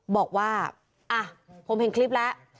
บอกว่าผมเห็นคลิปแล้ว